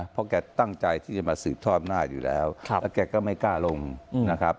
เพราะแกตั้งใจที่จะมาสืบทอดหน้าอยู่แล้วแล้วแกก็ไม่กล้าลงนะครับ